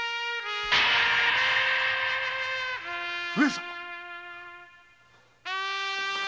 上様！